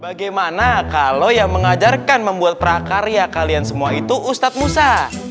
bagaimana kalau yang mengajarkan membuat prakarya kalian semua itu ustadz musa